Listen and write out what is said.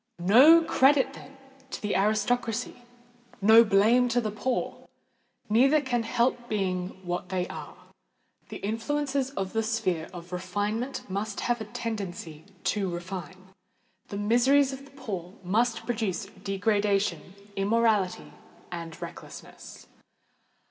No credit, then, to the aristocracy—no blame to the poor! Neither can help being what they are. The influences of the sphere of refinement must have a tendency to refine: the miseries of the poor must produce degradation, immorality, and recklessness.